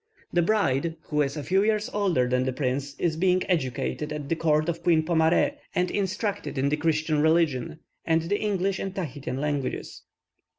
The bride, who is a few years older than the prince, is being educated at the court of Queen Pomare, and instructed in the Christian religion, and the English and Tahitian languages.